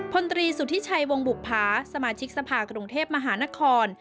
พลตรีสุธิชัยวงบุภาสมาชิกสภากรุงเทพมหานคร